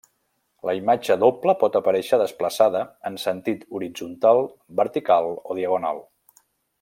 La imatge doble pot aparèixer desplaçada en sentit horitzontal, vertical o diagonal.